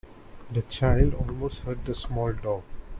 The child almost hurt the small dog.